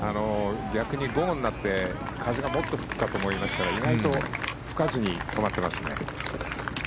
逆に、午後になって風がもっと吹くかと思いましたら意外と吹かずにこうなっていますね。